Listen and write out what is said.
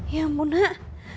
ya ampun nek